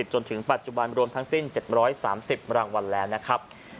จนถึงปัจจุบันรวมทั้งสิ้น๗๓๐รางวัลแล้วนะครับ